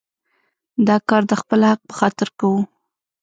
دا کار د خپل حق په خاطر کوو.